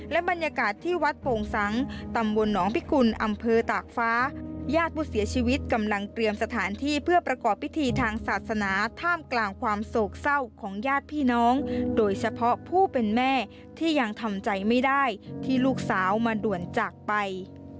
และบรรยากาศที่วัดโป่งสังตำบลหนองพิกุลอำเภอตากฟ้าญาติผู้เสียชีวิตกำลังเตรียมสถานที่เพื่อประกอบพิธีทางศาสนาท่ามกลางความโศกเศร้าของญาติพี่น้องโดยเฉพาะผู้เป็นแม่ที่ยังทำใจไม่ได้ที่ลูกสาวมาด่วนจากไป